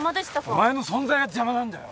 お前の存在が邪魔なんだよ。